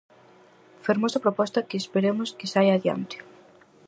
Fermosa proposta que esperemos que saia adiante.